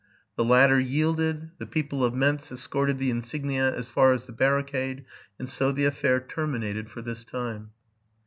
The latter yielded: the people of Mentz escorted the insignia as far as the barricad:, and so the affair terminated for this time.